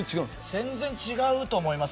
全然違うと思います。